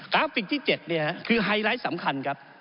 ราฟิกที่๗คือไฮไลท์สำคัญครับ